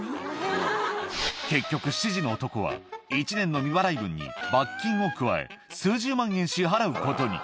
結局、７時の男は１年の未払い分に罰金を加え、数十万円支払うことに。